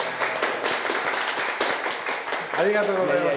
ありがとうございます。